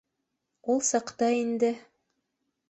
— Ул саҡта инде